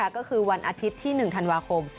ก็คือวันอาทิตย์ที่๑ธันวาคม